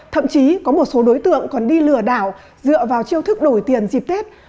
thậm chí có một số đối tượng còn đi lừa đảo dựa vào chiêu thức đổi tiền dịp tết